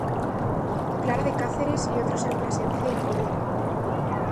Clara de Cáceres y otros en Plasencia y Coria.